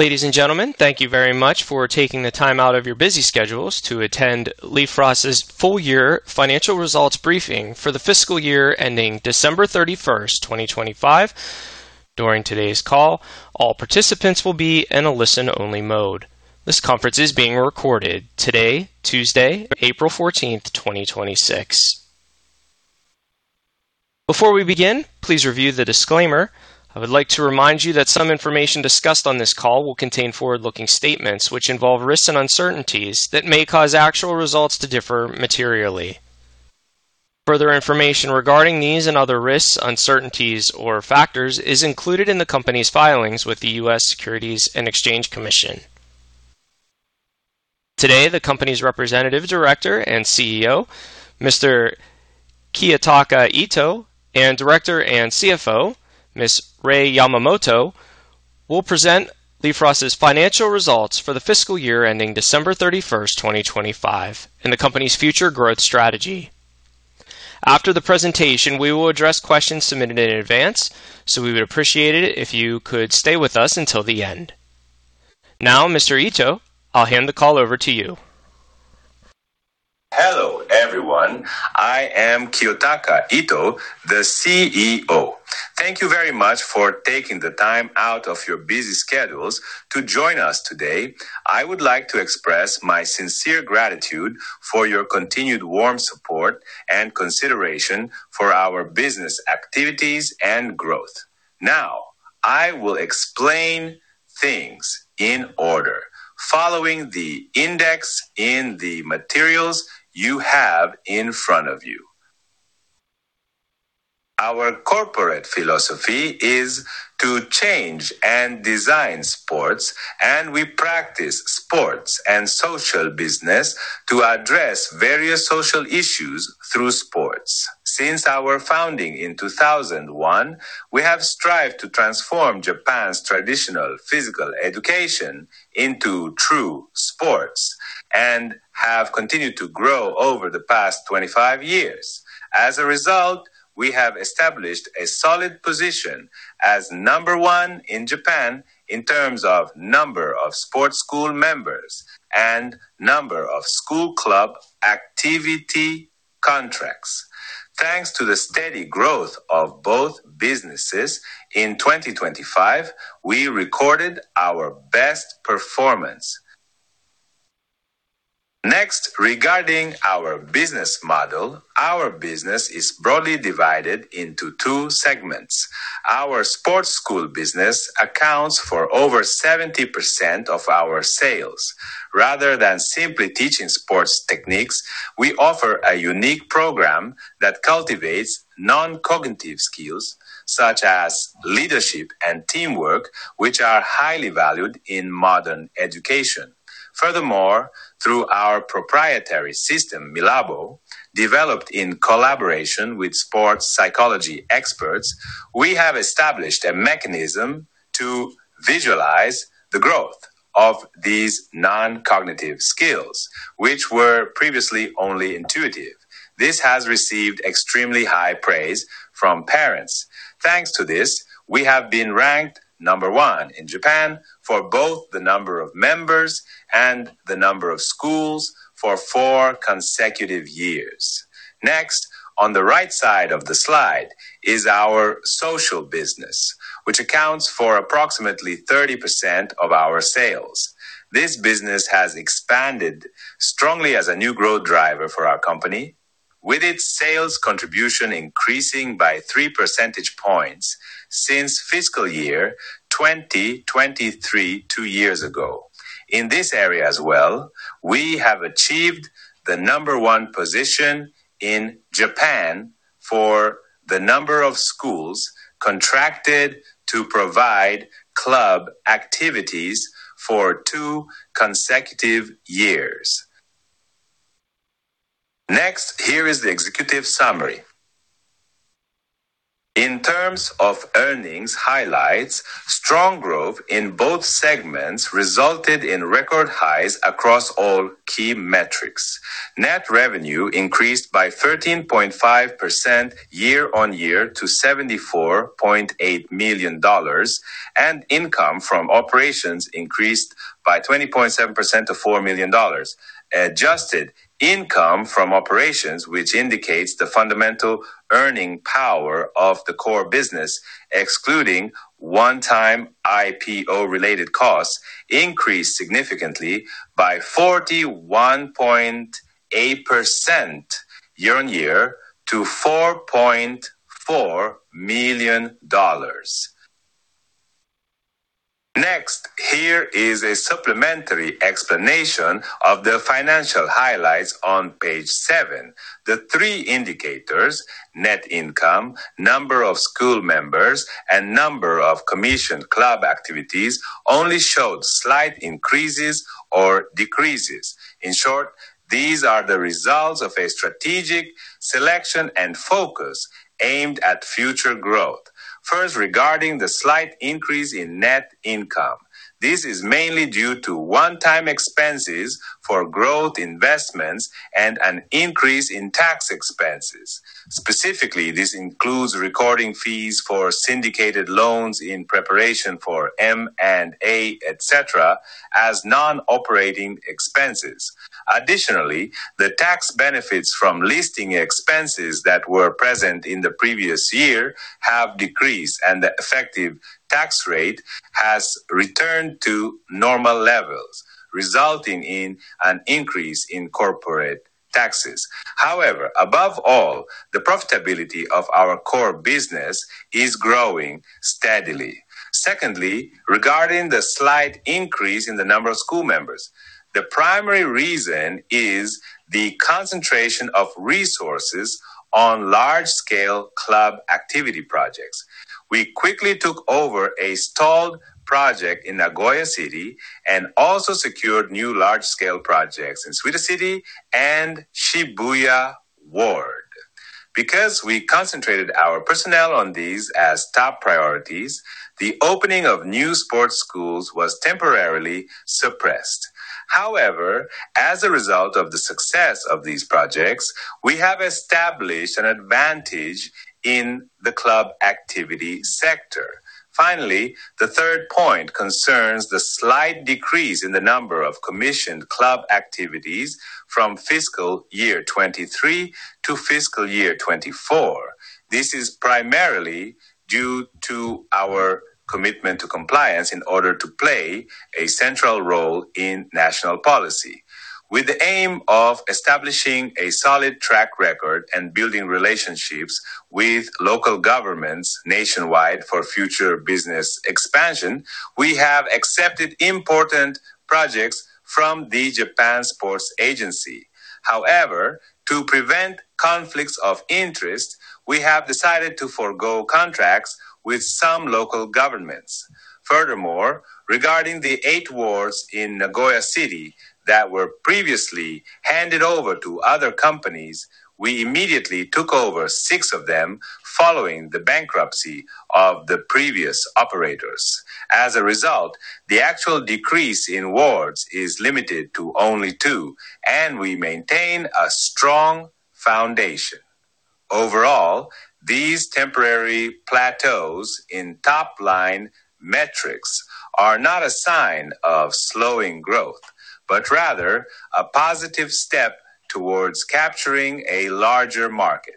Ladies and gentlemen, thank you very much for taking the time out of your busy schedules to attend Leifras's Full Year Financial Results Briefing for the fiscal year ending December 31st, 2025. During today's call, all participants will be in a listen-only mode. This conference is being recorded today, Tuesday, April 14th, 2026. Before we begin, please review the disclaimer. I would like to remind you that some information discussed on this call will contain forward-looking statements, which involve risks and uncertainties that may cause actual results to differ materially. Further information regarding these and other risks, uncertainties or factors is included in the company's filings with the U.S. Securities and Exchange Commission. Today, the company's Representative Director and CEO, Mr. Kiyotaka Ito, and Director and CFO, Ms. Rei Yamamoto, will present Leifras financial results for the fiscal year ending December 31st, 2025, and the company's future growth strategy. After the presentation, we will address questions submitted in advance, so we would appreciate it if you could stay with us until the end. Now, Mr. Ito, I'll hand the call over to you. Hello, everyone. I am Kiyotaka Ito, the CEO. Thank you very much for taking the time out of your busy schedules to join us today. I would like to express my sincere gratitude for your continued warm support and consideration for our business activities and growth. Now, I will explain things in order, following the index in the materials you have in front of you. Our corporate philosophy is to change and design sports, and we practice sports and social business to address various social issues through sports. Since our founding in 2001, we have strived to transform Japan's traditional physical education into true sports and have continued to grow over the past 25 years. As a result, we have established a solid position as number one in Japan in terms of number of sports school members and number of school club activity contracts. Thanks to the steady growth of both businesses, in 2025, we recorded our best performance. Next, regarding our business model, our business is broadly divided into two segments. Our sports school business accounts for over 70% of our sales. Rather than simply teaching sports techniques, we offer a unique program that cultivates non-cognitive skills such as leadership and teamwork, which are highly valued in modern education. Furthermore, through our proprietary system, Milabo, developed in collaboration with sports psychology experts, we have established a mechanism to visualize the growth of these non-cognitive skills, which were previously only intuitive. This has received extremely high praise from parents. Thanks to this, we have been ranked number one in Japan for both the number of members and the number of schools for four consecutive years. Next, on the right side of the slide is our social business, which accounts for approximately 30% of our sales. This business has expanded strongly as a new growth driver for our company, with its sales contribution increasing by 3 percentage points since fiscal year 2023, two years ago. In this area as well, we have achieved the number one position in Japan for the number of schools contracted to provide club activities for two consecutive years. Next, here is the executive summary. In terms of earnings highlights, strong growth in both segments resulted in record highs across all key metrics. Net revenue increased by 13.5% year-on-year to $74.8 million, and income from operations increased by 20.7% to $4 million. Adjusted income from operations, which indicates the fundamental earning power of the core business, excluding one-time IPO-related costs, increased significantly by 41.8% year-on-year to $4.4 million. Here is a supplementary explanation of the financial highlights on page seven. The three indicators, net income, number of school members, and number of commissioned club activities, only showed slight increases or decreases. In short, these are the results of a strategic selection and focus aimed at future growth. First, regarding the slight increase in net income, this is mainly due to one-time expenses for growth investments and an increase in tax expenses. Specifically, this includes recording fees for syndicated loans in preparation for M&A, et cetera, as non-operating expenses. Additionally, the tax benefits from leasing expenses that were present in the previous year have decreased, and the effective tax rate has returned to normal levels, resulting in an increase in corporate taxes. However, above all, the profitability of our core business is growing steadily. Secondly, regarding the slight increase in the number of school members, the primary reason is the concentration of resources on large-scale club activity projects. We quickly took over a stalled project in Nagoya City and also secured new large-scale projects in Suita City and Shibuya Ward. Because we concentrated our personnel on these as top priorities, the opening of new sports schools was temporarily suppressed. However, as a result of the success of these projects, we have established an advantage in the club activity sector. Finally, the third point concerns the slight decrease in the number of commissioned club activities from fiscal year 2023-fiscal year 2024. This is primarily due to our commitment to compliance in order to play a central role in national policy. With the aim of establishing a solid track record and building relationships with local governments nationwide for future business expansion, we have accepted important projects from the Japan Sports Agency. However, to prevent conflicts of interest, we have decided to forgo contracts with some local governments. Furthermore, regarding the eight wards in Nagoya City that were previously handed over to other companies, we immediately took over six of them following the bankruptcy of the previous operators. As a result, the actual decrease in wards is limited to only two, and we maintain a strong foundation. Overall, these temporary plateaus in top-line metrics are not a sign of slowing growth, but rather a positive step towards capturing a larger market.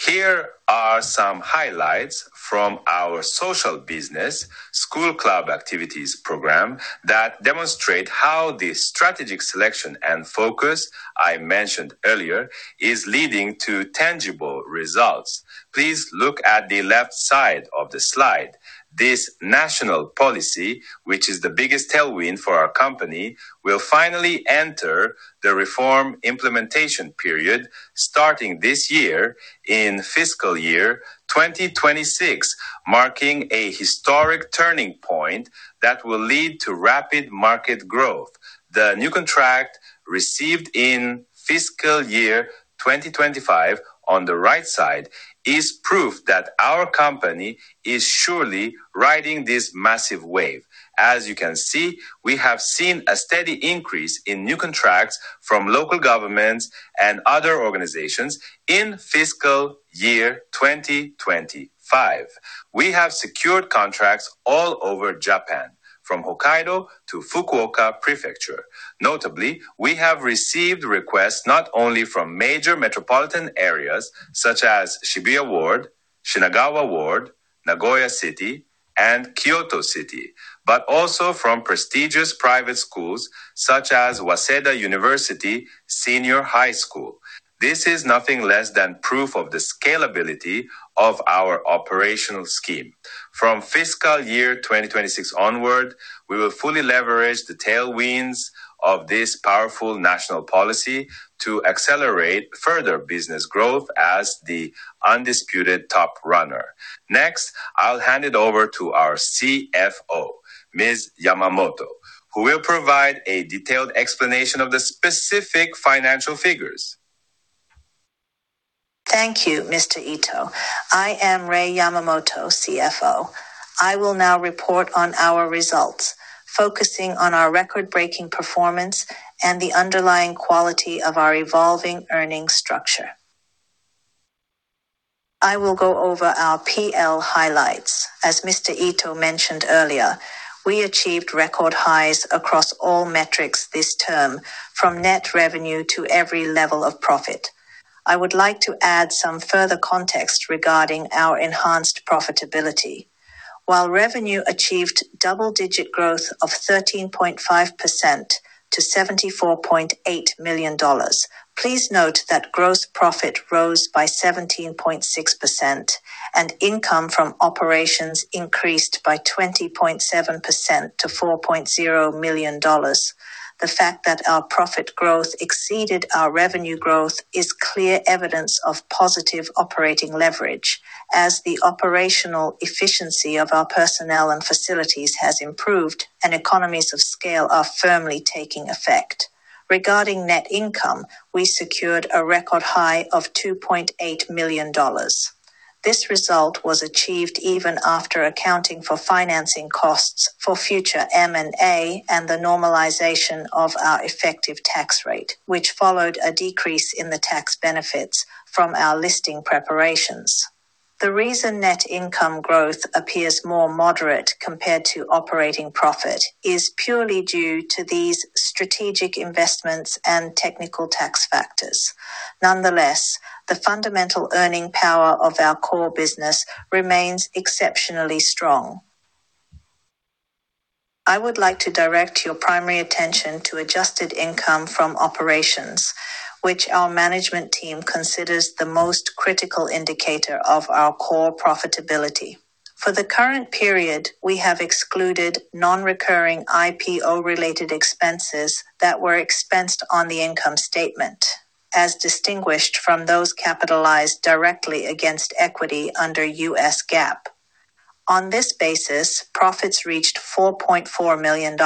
Here are some highlights from our social business school club activities program that demonstrate how the strategic selection and focus I mentioned earlier is leading to tangible results. Please look at the left side of the slide. This national policy, which is the biggest tailwind for our company, will finally enter the reform implementation period starting this year in fiscal year 2026, marking a historic turning point that will lead to rapid market growth. The new contract received in fiscal year 2025, on the right side, is proof that our company is surely riding this massive wave. As you can see, we have seen a steady increase in new contracts from local governments and other organizations in fiscal year 2025. We have secured contracts all over Japan, from Hokkaido to Fukuoka Prefecture. Notably, we have received requests not only from major metropolitan areas such as Shibuya Ward, Shinagawa Ward, Nagoya City, and Kyoto City, but also from prestigious private schools such as Waseda University Senior High School. This is nothing less than proof of the scalability of our operational scheme. From fiscal year 2026 onward, we will fully leverage the tailwinds of this powerful national policy to accelerate further business growth as the undisputed top runner. Next, I'll hand it over to our CFO, Ms. Yamamoto, who will provide a detailed explanation of the specific financial figures. Thank you, Mr. Ito. I am Rei Yamamoto, CFO. I will now report on our results, focusing on our record-breaking performance and the underlying quality of our evolving earnings structure. I will go over our P&L highlights. As Mr. Ito mentioned earlier, we achieved record highs across all metrics this term from net revenue to every level of profit. I would like to add some further context regarding our enhanced profitability. While revenue achieved double-digit growth of 13.5% to $74.8 million, please note that gross profit rose by 17.6% and income from operations increased by 20.7% to $4.0 million. The fact that our profit growth exceeded our revenue growth is clear evidence of positive operating leverage as the operational efficiency of our personnel and facilities has improved and economies of scale are firmly taking effect. Regarding net income, we secured a record high of $2.8 million. This result was achieved even after accounting for financing costs for future M&A and the normalization of our effective tax rate, which followed a decrease in the tax benefits from our listing preparations. The reason net income growth appears more moderate compared to operating profit is purely due to these strategic investments and technical tax factors. Nonetheless, the fundamental earning power of our core business remains exceptionally strong. I would like to direct your primary attention to adjusted income from operations, which our management team considers the most critical indicator of our core profitability. For the current period, we have excluded non-recurring IPO-related expenses that were expensed on the income statement, as distinguished from those capitalized directly against equity under U.S. GAAP. On this basis, profits reached $4.4 million,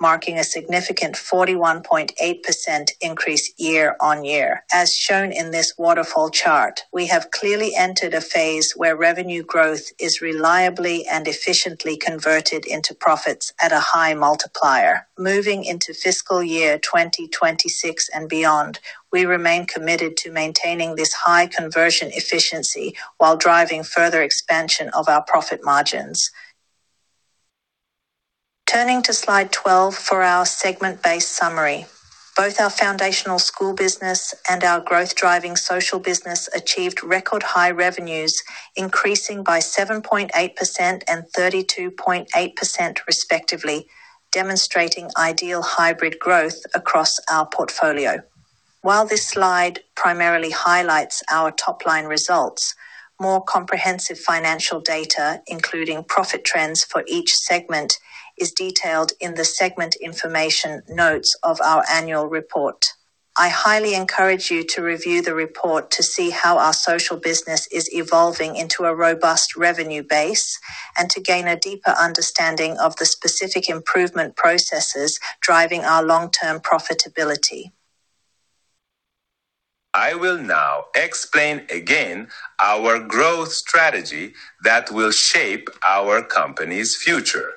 marking a significant 41.8% increase year-on-year. As shown in this waterfall chart, we have clearly entered a phase where revenue growth is reliably and efficiently converted into profits at a high multiplier. Moving into fiscal year 2026 and beyond, we remain committed to maintaining this high conversion efficiency while driving further expansion of our profit margins. Turning to slide 12 for our segment-based summary. Both our foundational school business and our growth-driving social business achieved record-high revenues, increasing by 7.8% and 32.8% respectively, demonstrating ideal hybrid growth across our portfolio. While this slide primarily highlights our top-line results, more comprehensive financial data, including profit trends for each segment, is detailed in the segment information notes of our annual report. I highly encourage you to review the report to see how our social business is evolving into a robust revenue base and to gain a deeper understanding of the specific improvement processes driving our long-term profitability. I will now explain again our growth strategy that will shape our company's future.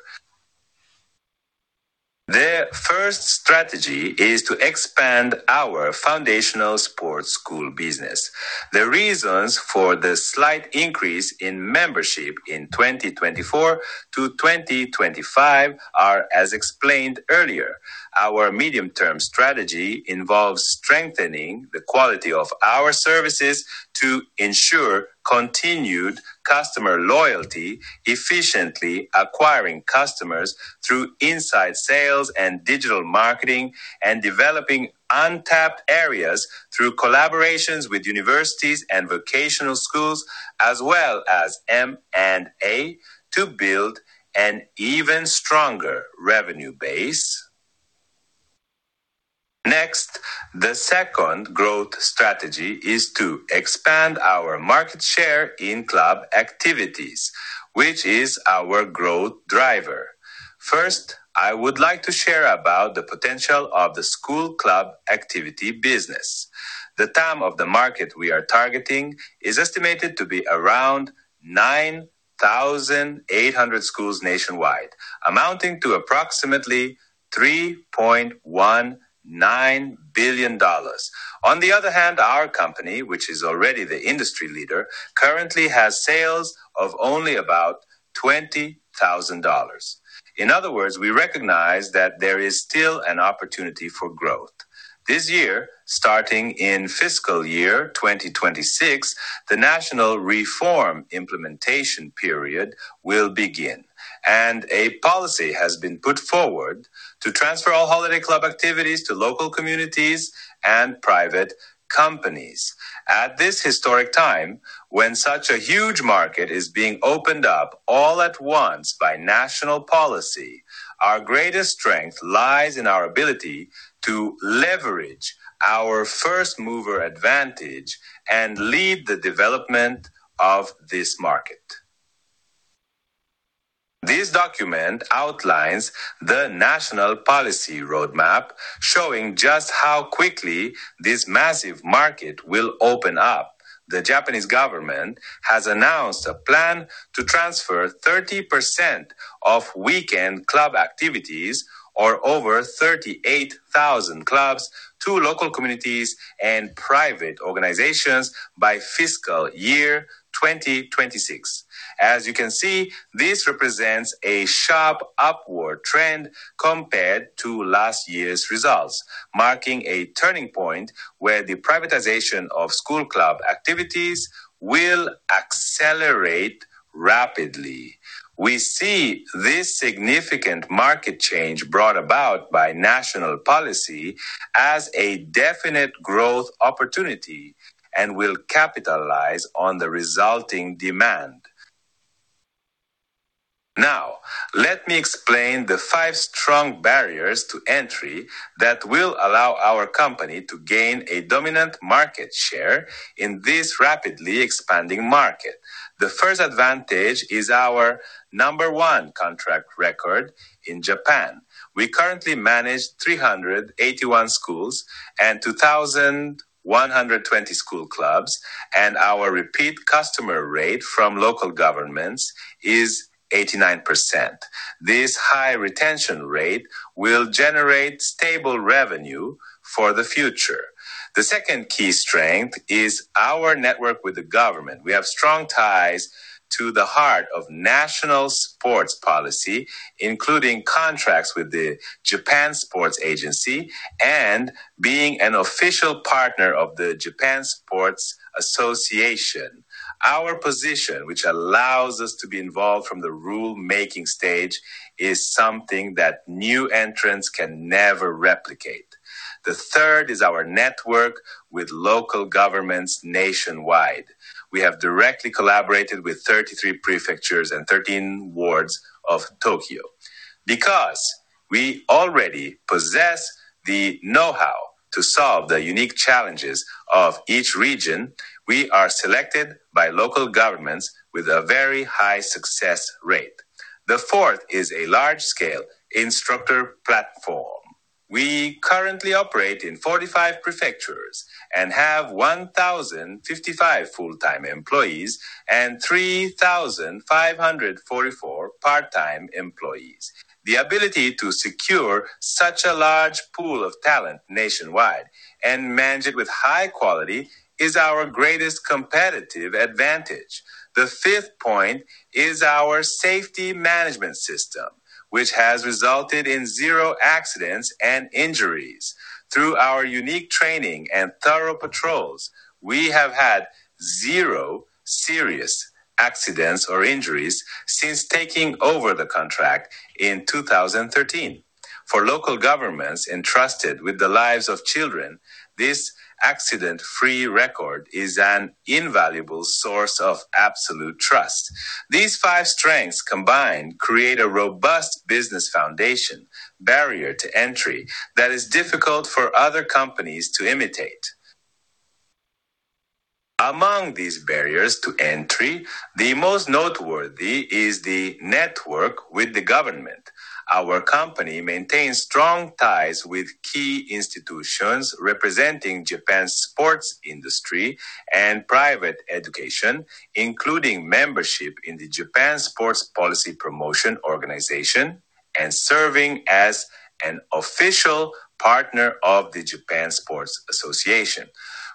The first strategy is to expand our foundational sports school business. The reasons for the slight increase in membership in 2024-2025 are as explained earlier. Our medium-term strategy involves strengthening the quality of our services to ensure continued customer loyalty, efficiently acquiring customers through inside sales and digital marketing, and developing untapped areas through collaborations with universities and vocational schools, as well as M&A to build an even stronger revenue base. Next, the second growth strategy is to expand our market share in club activities, which is our growth driver. First, I would like to share about the potential of the school club activity business. The TAM of the market we are targeting is estimated to be around 9,800 schools nationwide, amounting to approximately $3.19 billion. On the other hand, our company, which is already the industry leader, currently has sales of only about $20,000. In other words, we recognize that there is still an opportunity for growth. This year, starting in fiscal year 2026, the national reform implementation period will begin, and a policy has been put forward to transfer all holiday club activities to local communities and private companies. At this historic time, when such a huge market is being opened up all at once by national policy, our greatest strength lies in our ability to leverage our first-mover advantage and lead the development of this market. This document outlines the national policy roadmap, showing just how quickly this massive market will open up. The Japanese government has announced a plan to transfer 30% of weekend club activities, or over 38,000 clubs, to local communities and private organizations by fiscal year 2026. As you can see, this represents a sharp upward trend compared to last year's results, marking a turning point where the privatization of school club activities will accelerate rapidly. We see this significant market change brought about by national policy as a definite growth opportunity and will capitalize on the resulting demand. Now, let me explain the five strong barriers to entry that will allow our company to gain a dominant market share in this rapidly expanding market. The first advantage is our number one contract record in Japan. We currently manage 381 schools and 2,120 school clubs, and our repeat customer rate from local governments is 89%. This high retention rate will generate stable revenue for the future. The second key strength is our network with the government. We have strong ties to the heart of national sports policy, including contracts with the Japan Sports Agency and being an official partner of the Japan Sport Association. Our position, which allows us to be involved from the rule-making stage, is something that new entrants can never replicate. The third is our network with local governments nationwide. We have directly collaborated with 33 prefectures and 13 wards of Tokyo. Because we already possess the know-how to solve the unique challenges of each region, we are selected by local governments with a very high success rate. The fourth is a large-scale instructor platform. We currently operate in 45 prefectures and have 1,055 full-time employees and 3,544 part-time employees. The ability to secure such a large pool of talent nationwide and manage it with high quality is our greatest competitive advantage. The fifth point is our safety management system, which has resulted in zero accidents and injuries. Through our unique training and thorough patrols, we have had zero serious accidents or injuries since taking over the contract in 2013. For local governments entrusted with the lives of children, this accident-free record is an invaluable source of absolute trust. These five strengths combined create a robust business foundation barrier to entry that is difficult for other companies to imitate. Among these barriers to entry, the most noteworthy is the network with the government. Our company maintains strong ties with key institutions representing Japan's sports industry and private education, including membership in the Japan Sports Policy Promotion Organization and serving as an official partner of the Japan Sport Association.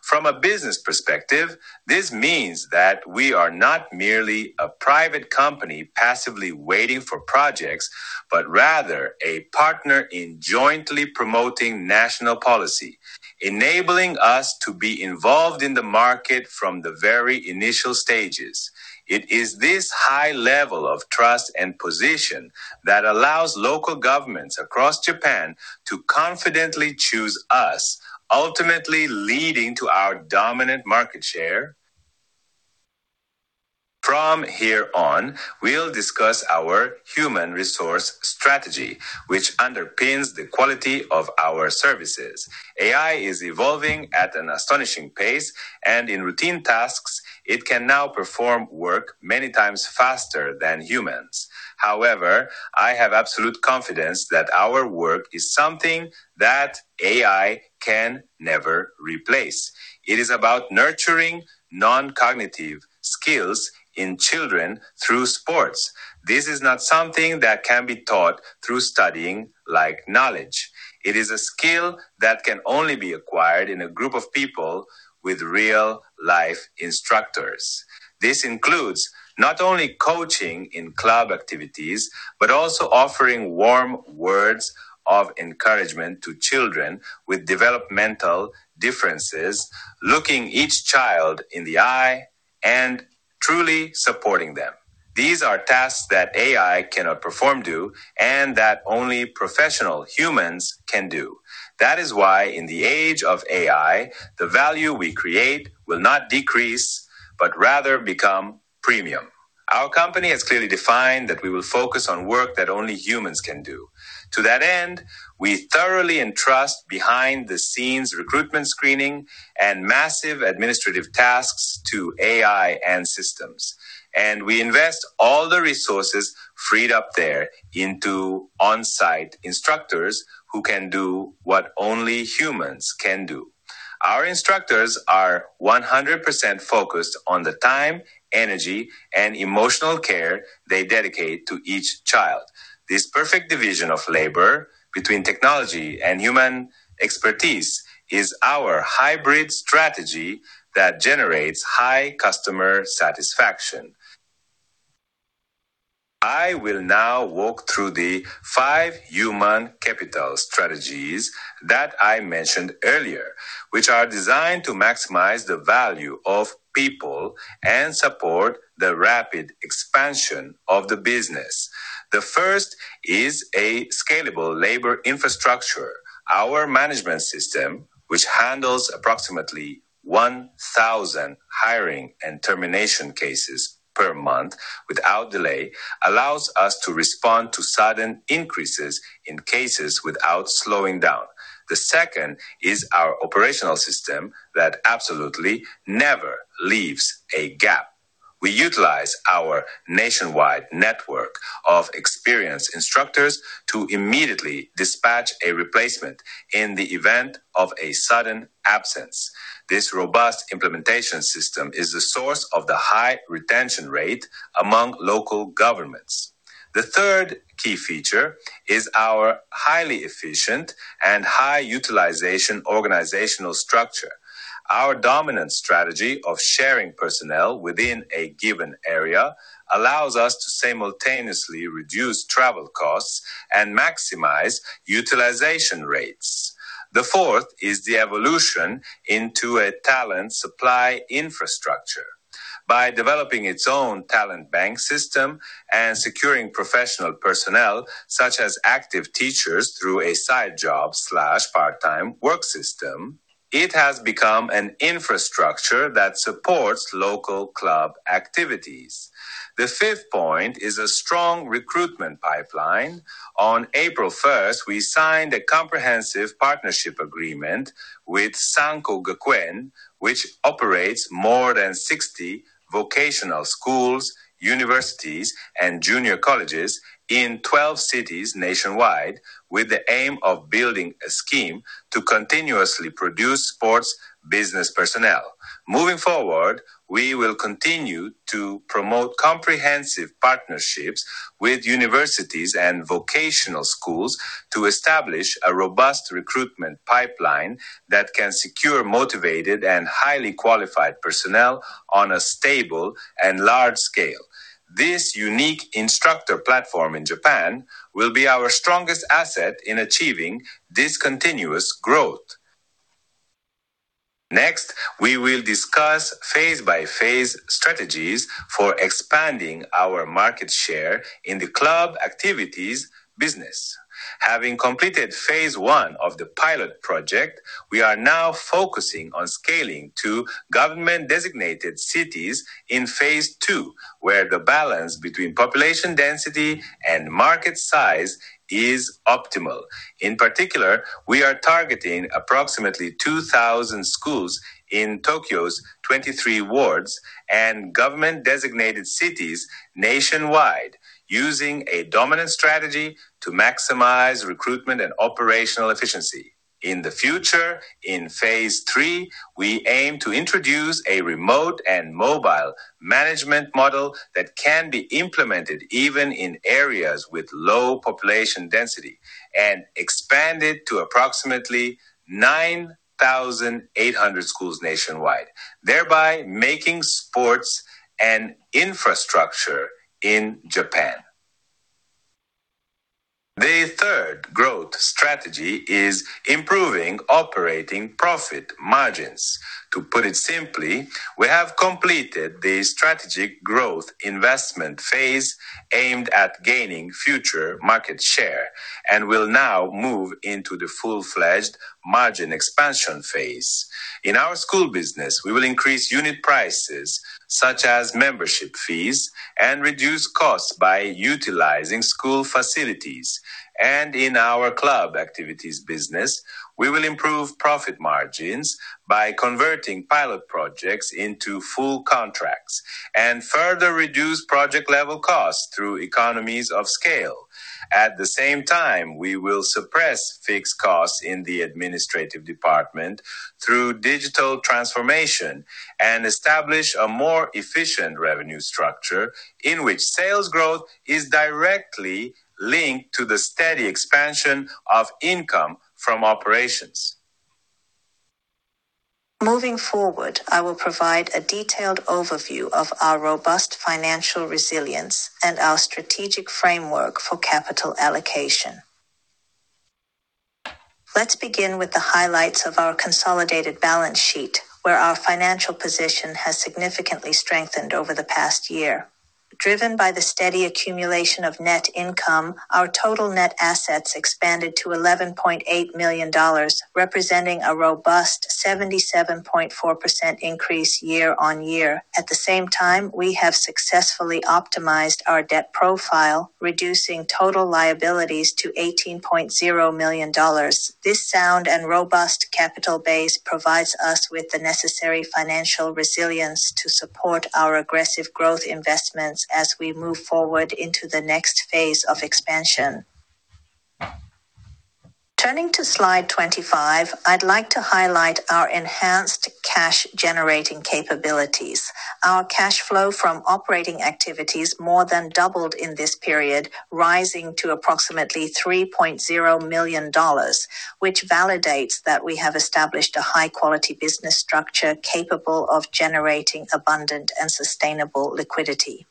From a business perspective, this means that we are not merely a private company passively waiting for projects, but rather a partner in jointly promoting national policy, enabling us to be involved in the market from the very initial stages. It is this high level of trust and position that allows local governments across Japan to confidently choose us, ultimately leading to our dominant market share. From here on, we'll discuss our human resource strategy, which underpins the quality of our services. AI is evolving at an astonishing pace, and in routine tasks, it can now perform work many times faster than humans. However, I have absolute confidence that our work is something that AI can never replace. It is about nurturing non-cognitive skills in children through sports. This is not something that can be taught through studying like knowledge. It is a skill that can only be acquired in a group of people with real-life instructors. This includes not only coaching in club activities, but also offering warm words of encouragement to children with developmental differences, looking each child in the eye, and truly supporting them. These are tasks that AI cannot do, and that only professional humans can do. That is why in the age of AI, the value we create will not decrease, but rather become premium. Our company has clearly defined that we will focus on work that only humans can do. To that end, we thoroughly entrust behind the scenes recruitment screening and massive administrative tasks to AI and systems, and we invest all the resources freed up there into on-site instructors who can do what only humans can do. Our instructors are 100% focused on the time, energy, and emotional care they dedicate to each child. This perfect division of labor between technology and human expertise is our hybrid strategy that generates high customer satisfaction. I will now walk through the five human capital strategies that I mentioned earlier, which are designed to maximize the value of people and support the rapid expansion of the business. The first is a scalable labor infrastructure. Our management system, which handles approximately 1,000 hiring and termination cases per month without delay, allows us to respond to sudden increases in cases without slowing down. The second is our operational system that absolutely never leaves a gap. We utilize our nationwide network of experienced instructors to immediately dispatch a replacement in the event of a sudden absence. This robust implementation system is the source of the high retention rate among local governments. The third key feature is our highly efficient and high-utilization organizational structure. Our dominant strategy of sharing personnel within a given area allows us to simultaneously reduce travel costs and maximize utilization rates. The fourth is the evolution into a talent supply infrastructure. By developing its own talent bank system and securing professional personnel such as active teachers through a side job, part-time work system, it has become an infrastructure that supports local club activities. The fifth point is a strong recruitment pipeline. On April 1st, we signed a comprehensive partnership agreement with Sanko Gakuen, which operates more than 60 vocational schools, universities, and junior colleges in 12 cities nationwide, with the aim of building a scheme to continuously produce sports business personnel. Moving forward, we will continue to promote comprehensive partnerships with universities and vocational schools to establish a robust recruitment pipeline that can secure motivated and highly qualified personnel on a stable and large scale. This unique instructor platform in Japan will be our strongest asset in achieving this continuous growth. Next, we will discuss phase-by-phase strategies for expanding our market share in the club activities business. Having completed phase I of the pilot project, we are now focusing on scaling to government-designated cities in phase II, where the balance between population density and market size is optimal. In particular, we are targeting approximately 2,000 schools in Tokyo's 23 wards and government-designated cities nationwide, using a dominant strategy to maximize recruitment and operational efficiency. In the future, in phase III, we aim to introduce a remote and mobile management model that can be implemented even in areas with low population density and expanded to approximately 9,800 schools nationwide, thereby making sports an infrastructure in Japan. The third growth strategy is improving operating profit margins. To put it simply, we have completed the strategic growth investment phase aimed at gaining future market share and will now move into the full-fledged margin expansion phase. In our school business, we will increase unit prices such as membership fees and reduce costs by utilizing school facilities. In our club activities business, we will improve profit margins by converting pilot projects into full contracts and further reduce project-level costs through economies of scale. At the same time, we will suppress fixed costs in the administrative department through digital transformation and establish a more efficient revenue structure in which sales growth is directly linked to the steady expansion of income from operations. Moving forward, I will provide a detailed overview of our robust financial resilience and our strategic framework for capital allocation. Let's begin with the highlights of our consolidated balance sheet, where our financial position has significantly strengthened over the past year. Driven by the steady accumulation of net income, our total net assets expanded to $11.8 million, representing a robust 77.4% increase year-on-year. At the same time, we have successfully optimized our debt profile, reducing total liabilities to $18.0 million. This sound and robust capital base provides us with the necessary financial resilience to support our aggressive growth investments as we move forward into the next phase of expansion. Turning to slide 25, I'd like to highlight our enhanced cash-generating capabilities. Our cash flow from operating activities more than doubled in this period, rising to approximately $3.0 million, which validates that we have established a high-quality business structure capable of generating abundant and sustainable liquidity.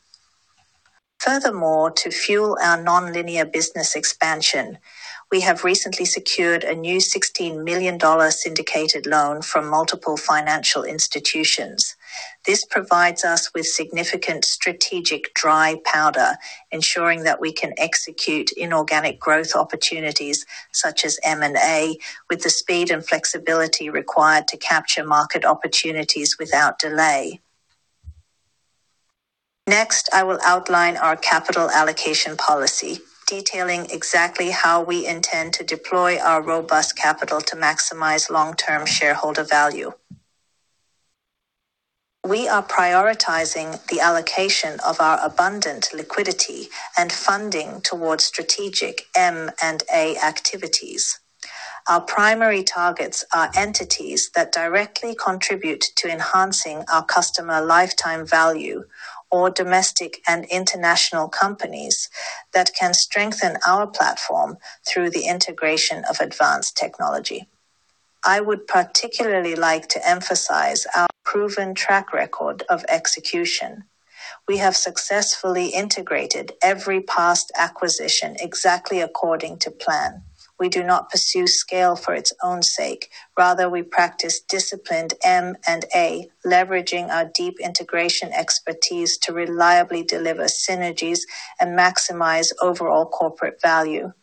Furthermore, to fuel our nonlinear business expansion, we have recently secured a new $16 million syndicated loan from multiple financial institutions. This provides us with significant strategic dry powder, ensuring that we can execute inorganic growth opportunities such as M&A with the speed and flexibility required to capture market opportunities without delay. Next, I will outline our capital allocation policy, detailing exactly how we intend to deploy our robust capital to maximize long-term shareholder value. We are prioritizing the allocation of our abundant liquidity and funding towards strategic M&A activities. Our primary targets are entities that directly contribute to enhancing our customer lifetime value or domestic and international companies that can strengthen our platform through the integration of advanced technology. I would particularly like to emphasize our proven track record of execution. We have successfully integrated every past acquisition exactly according to plan. We do not pursue scale for its own sake. Rather, we practice disciplined M&A, leveraging our deep integration expertise to reliably deliver synergies and maximize overall corporate value.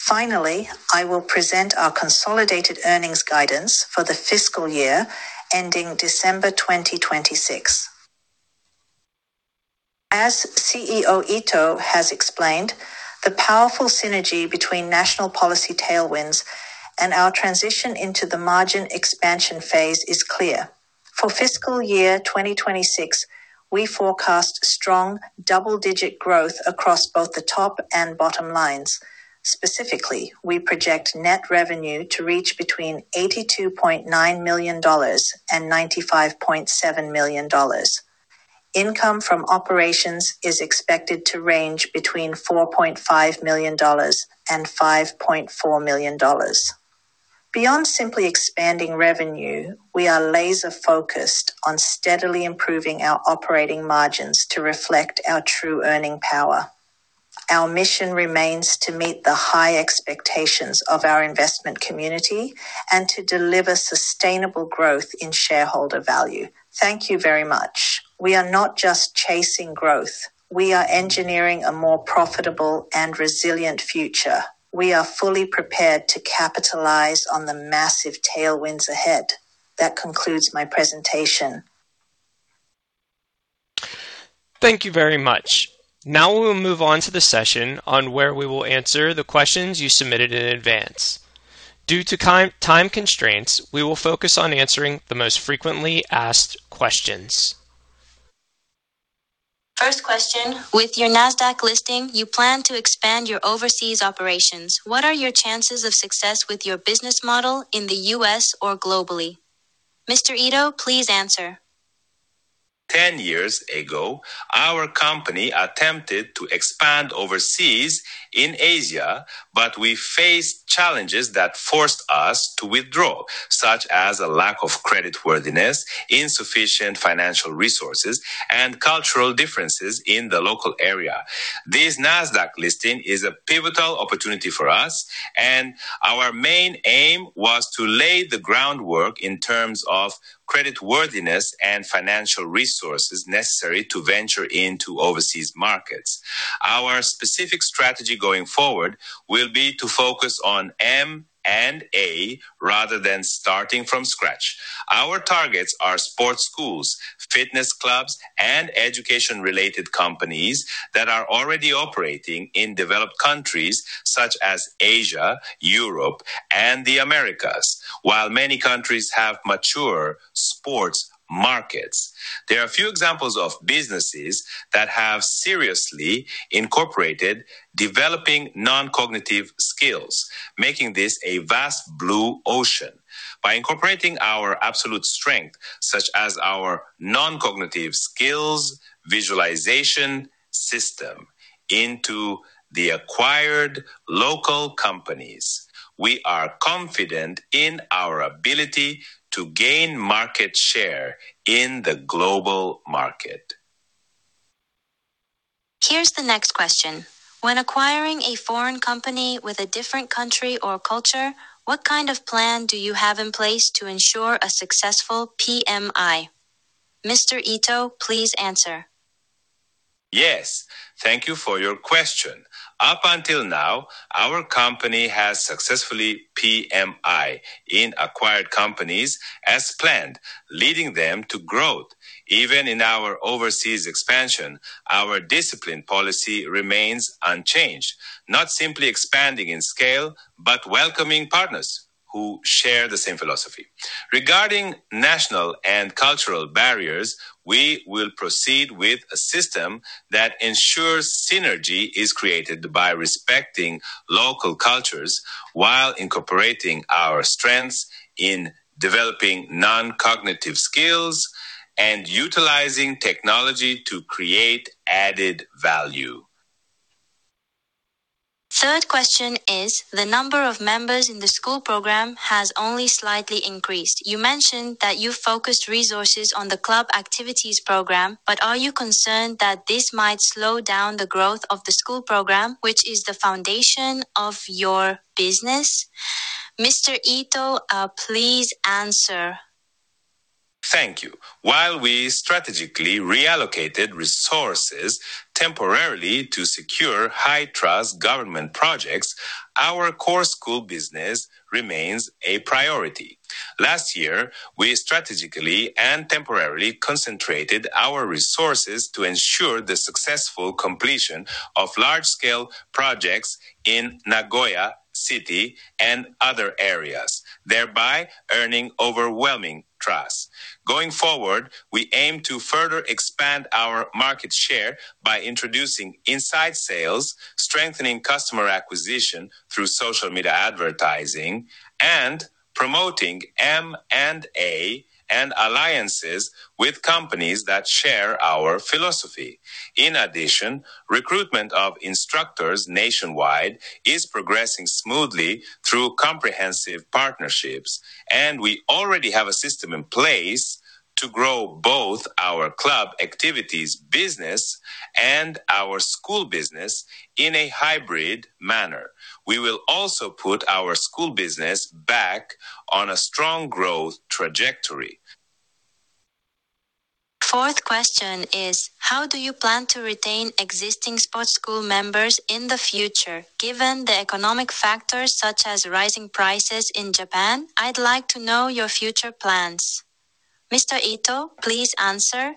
Finally, I will present our consolidated earnings guidance for the fiscal year ending December 2026. As CEO Ito has explained, the powerful synergy between national policy tailwinds and our transition into the margin expansion phase is clear. For fiscal year 2026, we forecast strong double-digit growth across both the top and bottom lines. Specifically, we project net revenue to reach between $82.9 million-$95.7 million. Income from operations is expected to range between $4.5 million-$5.4 million. Beyond simply expanding revenue, we are laser-focused on steadily improving our operating margins to reflect our true earning power. Our mission remains to meet the high expectations of our investment community and to deliver sustainable growth in shareholder value. Thank you very much. We are not just chasing growth. We are engineering a more profitable and resilient future. We are fully prepared to capitalize on the massive tailwinds ahead. That concludes my presentation. Thank you very much. Now we'll move on to the session on where we will answer the questions you submitted in advance. Due to time constraints, we will focus on answering the most frequently asked questions. First question. With your Nasdaq listing, you plan to expand your overseas operations. What are your chances of success with your business model in the U.S. or globally? Mr. Ito, please answer. 10 years ago, our company attempted to expand overseas in Asia, but we faced challenges that forced us to withdraw, such as a lack of creditworthiness, insufficient financial resources, and cultural differences in the local area. This Nasdaq listing is a pivotal opportunity for us, and our main aim was to lay the groundwork in terms of creditworthiness and financial resources necessary to venture into overseas markets. Our specific strategy going forward will be to focus on M&A rather than starting from scratch. Our targets are sports schools, fitness clubs, and education-related companies that are already operating in developed countries such as Asia, Europe, and the Americas. While many countries have mature sports markets, there are a few examples of businesses that have seriously incorporated developing non-cognitive skills, making this a vast blue ocean. By incorporating our absolute strength, such as our non-cognitive skills visualization system into the acquired local companies, we are confident in our ability to gain market share in the global market. Here's the next question. When acquiring a foreign company with a different country or culture, what kind of plan do you have in place to ensure a successful PMI? Mr. Ito, please answer. Yes. Thank you for your question. Up until now, our company has successfully PMI in acquired companies as planned, leading them to growth. Even in our overseas expansion, our discipline policy remains unchanged, not simply expanding in scale, but welcoming partners who share the same philosophy. Regarding national and cultural barriers, we will proceed with a system that ensures synergy is created by respecting local cultures while incorporating our strengths in developing non-cognitive skills and utilizing technology to create added value. Third question is the number of members in the school program has only slightly increased. You mentioned that you focused resources on the club activities program. Are you concerned that this might slow down the growth of the school program, which is the foundation of your business? Mr. Ito, please answer. Thank you. While we strategically reallocated resources temporarily to secure high-trust government projects, our core school business remains a priority. Last year, we strategically and temporarily concentrated our resources to ensure the successful completion of large-scale projects in Nagoya City and other areas, thereby earning overwhelming trust. Going forward, we aim to further expand our market share by introducing inside sales, strengthening customer acquisition through social media advertising, and promoting M&A and alliances with companies that share our philosophy. In addition, recruitment of instructors nationwide is progressing smoothly through comprehensive partnerships, and we already have a system in place to grow both our club activities business and our school business in a hybrid manner. We will also put our school business back on a strong growth trajectory. Fourth question is, how do you plan to retain existing sports school members in the future given the economic factors such as rising prices in Japan? I'd like to know your future plans. Mr. Ito, please answer.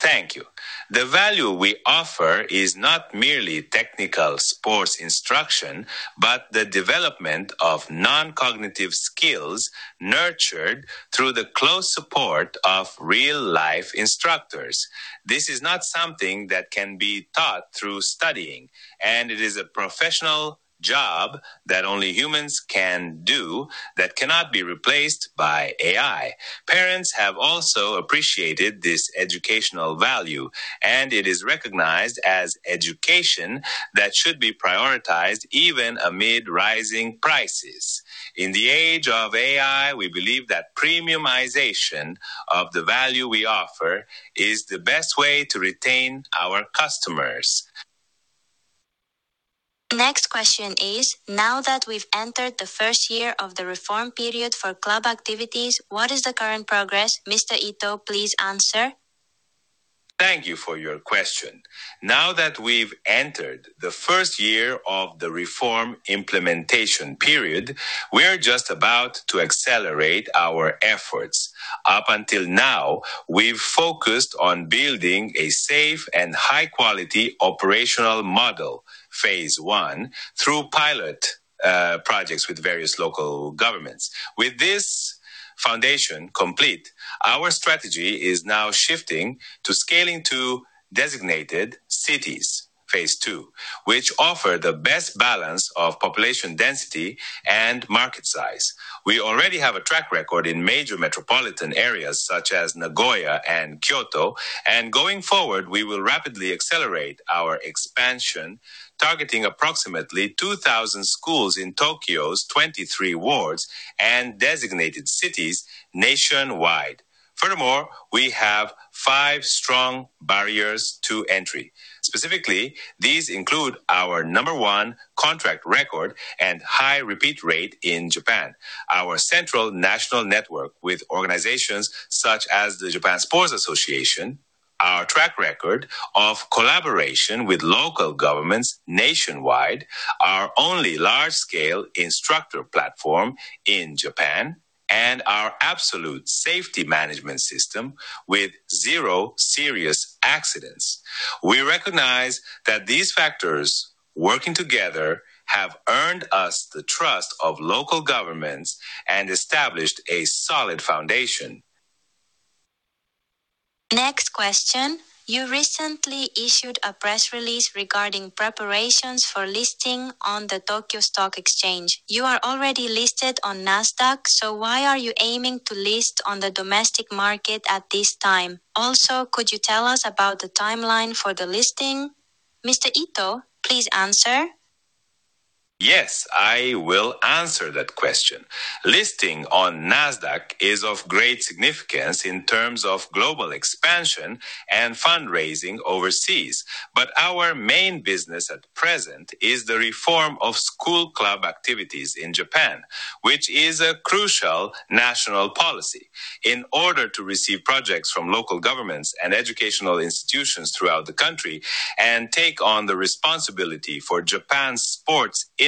Thank you. The value we offer is not merely technical sports instruction, but the development of non-cognitive skills nurtured through the close support of real-life instructors. This is not something that can be taught through studying, and it is a professional job that only humans can do that cannot be replaced by AI. Parents have also appreciated this educational value, and it is recognized as education that should be prioritized even amid rising prices. In the age of AI, we believe that premiumization of the value we offer is the best way to retain our customers. Next question is, now that we've entered the first year of the reform period for club activities, what is the current progress? Mr. Kiyotaka Ito, please answer. Thank you for your question. Now that we've entered the first year of the reform implementation period, we're just about to accelerate our efforts. Up until now, we've focused on building a safe and high-quality operational model, phase I, through pilot projects with various local governments. With this foundation complete, our strategy is now shifting to scaling to designated cities, phase II, which offer the best balance of population density and market size. We already have a track record in major metropolitan areas such as Nagoya and Kyoto, and going forward, we will rapidly accelerate our expansion, targeting approximately 2,000 schools in Tokyo's 23 wards and designated cities nationwide. Furthermore, we have five strong barriers to entry. Specifically, these include our number one contract record and high repeat rate in Japan, our central national network with organizations such as the Japan Sport Association, our track record of collaboration with local governments nationwide, our only large-scale instructor platform in Japan, and our absolute safety management system with zero serious accidents. We recognize that these factors working together have earned us the trust of local governments and established a solid foundation. Next question. You recently issued a press release regarding preparations for listing on the Tokyo Stock Exchange. You are already listed on Nasdaq, so why are you aiming to list on the domestic market at this time? Also, could you tell us about the timeline for the listing? Mr. Ito, please answer. Yes, I will answer that question. Listing on Nasdaq is of great significance in terms of global expansion and fundraising overseas. Our main business at present is the reform of school club activities in Japan, which is a crucial national policy. In order to receive projects from local governments and educational institutions throughout the country and take on the responsibility for Japan's sports infrastructure,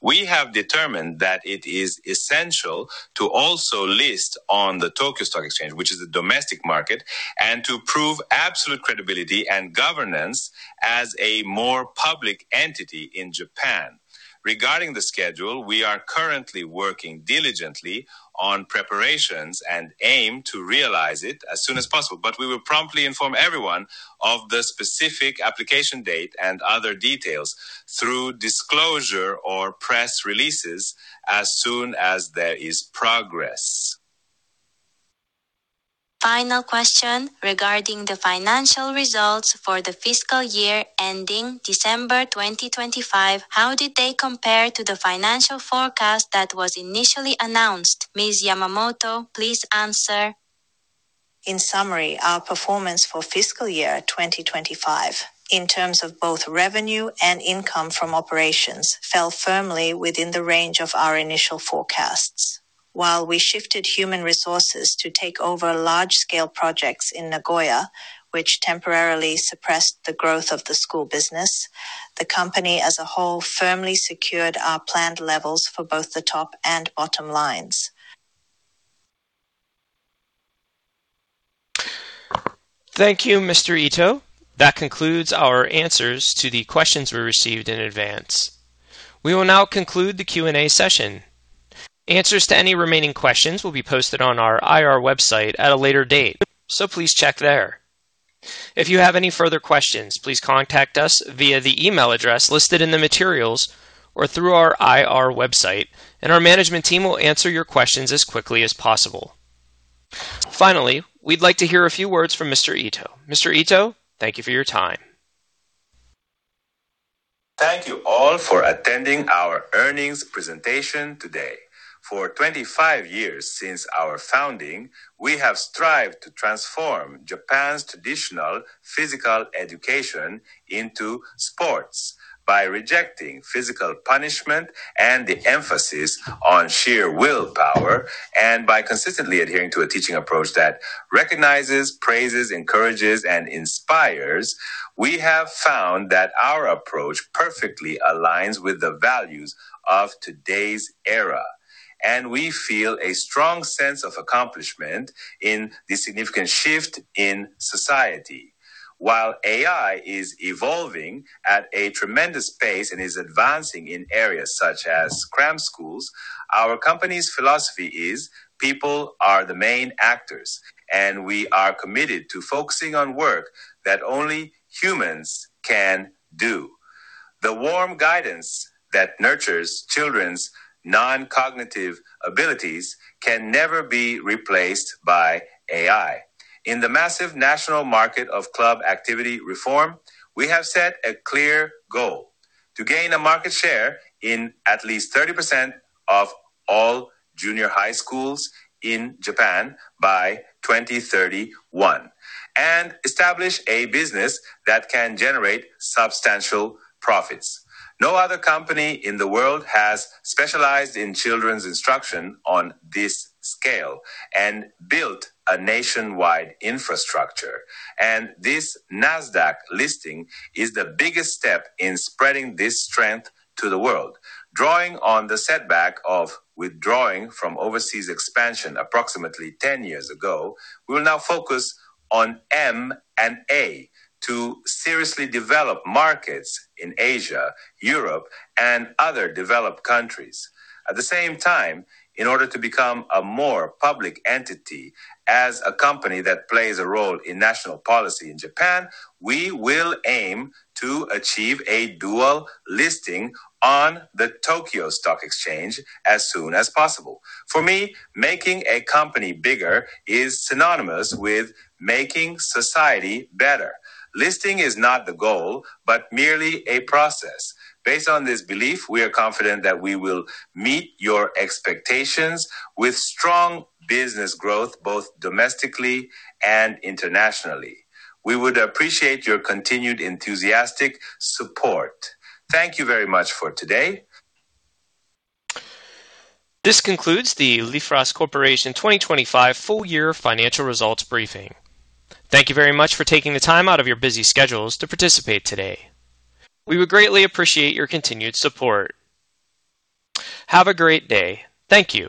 we have determined that it is essential to also list on the Tokyo Stock Exchange, which is a domestic market, and to prove absolute credibility and governance as a more public entity in Japan. Regarding the schedule, we are currently working diligently on preparations and aim to realize it as soon as possible. We will promptly inform everyone of the specific application date and other details through disclosure or press releases as soon as there is progress. Final question. Regarding the financial results for the fiscal year ending December 2025, how did they compare to the financial forecast that was initially announced? Ms. Yamamoto, please answer. In summary, our performance for fiscal year 2025 in terms of both revenue and income from operations fell firmly within the range of our initial forecasts. While we shifted human resources to take over large-scale projects in Nagoya, which temporarily suppressed the growth of the school business, the company as a whole firmly secured our planned levels for both the top and bottom lines. Thank you, Mr. Ito. That concludes our answers to the questions we received in advance. We will now conclude the Q&A session. Answers to any remaining questions will be posted on our IR website at a later date, so please check there. If you have any further questions, please contact us via the email address listed in the materials or through our IR website, and our management team will answer your questions as quickly as possible. Finally, we'd like to hear a few words from Mr. Ito. Mr. Ito, thank you for your time. Thank you all for attending our earnings presentation today. For 25 years since our founding, we have strived to transform Japan's traditional physical education into sports by rejecting physical punishment and the emphasis on sheer willpower, and by consistently adhering to a teaching approach that recognizes, praises, encourages, and inspires. We have found that our approach perfectly aligns with the values of today's era, and we feel a strong sense of accomplishment in the significant shift in society. While AI is evolving at a tremendous pace and is advancing in areas such as cram schools, our company's philosophy is people are the main actors, and we are committed to focusing on work that only humans can do. The warm guidance that nurtures children's non-cognitive abilities can never be replaced by AI. In the massive national market of club activity reform, we have set a clear goal to gain a market share in at least 30% of all junior high schools in Japan by 2031 and establish a business that can generate substantial profits. No other company in the world has specialized in children's instruction on this scale and built a nationwide infrastructure. This Nasdaq listing is the biggest step in spreading this strength to the world. Drawing on the setback of withdrawing from overseas expansion approximately 10 years ago, we will now focus on M&A to seriously develop markets in Asia, Europe, and other developed countries. At the same time, in order to become a more public entity as a company that plays a role in national policy in Japan, we will aim to achieve a dual listing on the Tokyo Stock Exchange as soon as possible. For me, making a company bigger is synonymous with making society better. Listing is not the goal, but merely a process. Based on this belief, we are confident that we will meet your expectations with strong business growth, both domestically and internationally. We would appreciate your continued enthusiastic support. Thank you very much for today. This concludes the Leifras Corporation 2025 full-year financial results briefing. Thank you very much for taking the time out of your busy schedules to participate today. We would greatly appreciate your continued support. Have a great day. Thank you.